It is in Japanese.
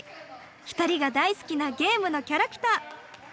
２人が大好きなゲームのキャラクター。